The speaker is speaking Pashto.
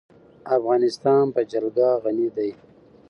افغانستان په جلګه غني دی.